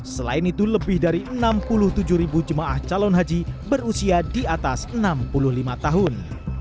selain itu lebih dari enam puluh tujuh ribu jemaah calon haji berusia di atas enam puluh lima tahun